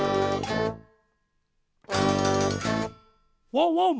ワンワン！